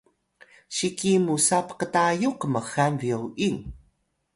si ki musa pktayux kmxal byoying